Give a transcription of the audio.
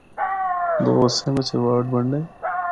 دو حصیاں بچ ایواڈ بنڈے۔